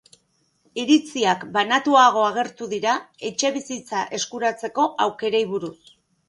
Iritziak banatuago agertu dira etxebizitza eskuratzeko aukerei buruz.